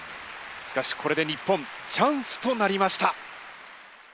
しかしこれで日本チャンスとなりました。